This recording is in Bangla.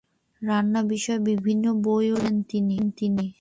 রান্না বিষয়ক বিভিন্ন বইও লিখেছেন তিনি।